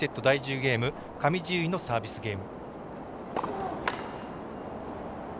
ゲーム上地結衣のサービスゲーム。